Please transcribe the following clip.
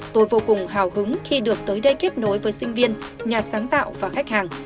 tôi vô cùng hào hứng khi được tới đây kết nối với sinh viên nhà sáng tạo và khách hàng